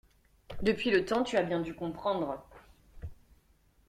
Depuis le temps, tu as bien dû comprendre.